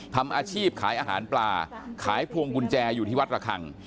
ทำอาชีพขายอาหารปลาขายพวงกุญแจอยู่ที่วัดระคัง